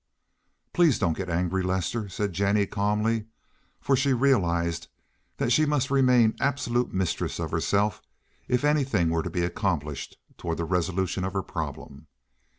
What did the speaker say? "Please don't get angry, Lester," said Jennie calmly, for she realized that she must remain absolute mistress of herself if anything were to be accomplished toward the resolution of her problem.